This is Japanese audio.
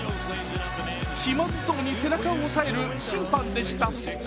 気まずそうに背中を押さえる審判でした。